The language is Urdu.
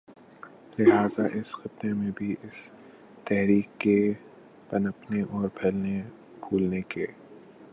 لہٰذا اس خطے میں بھی اس تحریک کے پنپنے اور پھلنے پھولنے کے